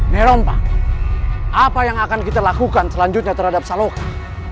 nerompa apa yang akan kita lakukan selanjutnya terhadap saloka